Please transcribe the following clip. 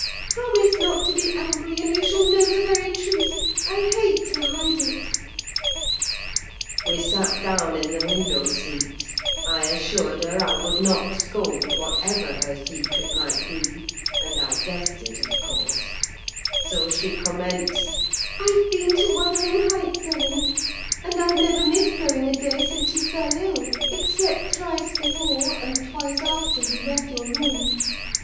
"Promise not to be angry, and you shall know the very truth: I hate to hide it." We sat down in the window seat; I assured her I would not scold, whatever her secret might be, and I guessed it, of course; so she commenced— "I've been to Wuthering Heights, Ellen, and I've never missed going a day since you fell ill; except thrice before, and twice after you left your room.